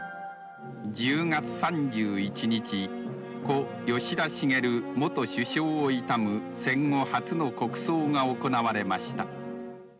１０月３１日故・吉田茂元首相を悼む戦後初の国葬が行われました。